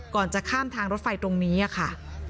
จะข้ามทางรถไฟตรงนี้ค่ะ